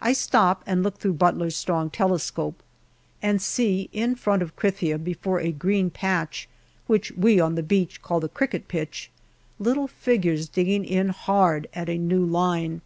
I stop and look through Butler's strong telescope, and see in front of Krithia, before a green patch, which we on the beach call the cricket pitch, little figures digging in hard at a new line.